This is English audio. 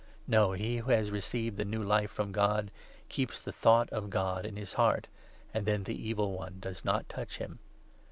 No, he who has received the new Life from God keeps the thought of God in his heart, and then the Evil One does not touch him.